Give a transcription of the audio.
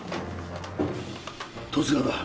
十津川だ。